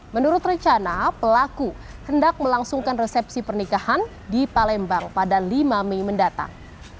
menurut rencana pelaku hendak melangsungkan resepsi pernikahan di palembang pada lima mei mendatang